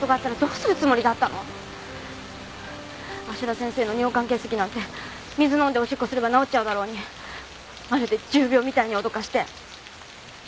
芦田先生の尿管結石なんて水飲んでおしっこすれば治っちゃうだろうにまるで重病みたいに脅かして。